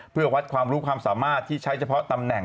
เพื่อวัดความรู้ความสามารถที่ใช้เฉพาะตำแหน่ง